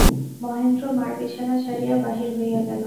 মহেন্দ্র মার বিছানা ছাড়িয়া বাহির হইয়া গেল।